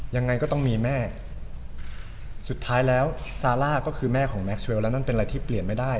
ยังไงก็ต้องมีแม่สุดท้ายแล้วซาร่าก็คือแม่ของแม็กเวลแล้วนั่นเป็นอะไรที่เปลี่ยนไม่ได้